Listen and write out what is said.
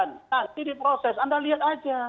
nanti diproses anda lihat aja